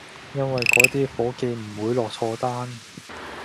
因為嗰啲伙計唔會落錯單